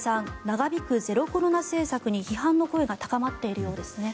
長引くゼロコロナ政策に批判の声が高まっているようですね。